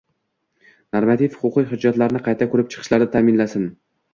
normativ-huquqiy hujjatlarini qayta ko‘rib chiqishlari ta'minlansin.